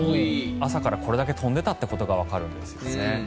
朝からこれだけ飛んでいたということがわかるんですね。